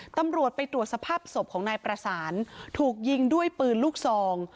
ตำรวจไปตรวจสภาพศพของนายประสานถูกยิงด้วยปืนลูกซอง